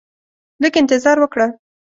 لږ انتظار وکړه